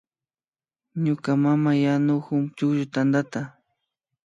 Ñuka mama yanukun chukllu tantata